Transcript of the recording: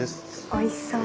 おいしそう。